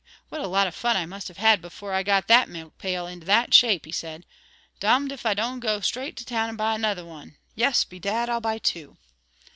What a lot of fun I must have had before I got that milk pail into that shape," he said. "Domned if I don't go straight to town and buy another one; yes, bedad! I'll buy two!"